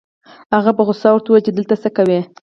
هغه په غصه ورته وويل چې دلته څه کوې؟